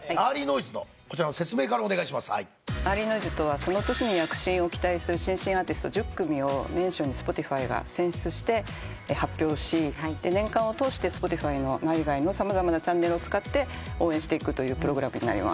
ＥａｒｌｙＮｏｉｓｅとはその年に躍進を期待する新進アーティスト１０組を年初にＳｐｏｔｉｆｙが選出して発表し年間を通してＳｐｏｔｉｆｙの内外の様々なチャンネルを使って応援していくというプログラムになります。